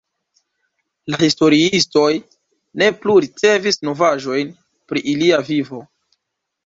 La historiistoj ne plu ricevis novaĵojn pri ilia vivo.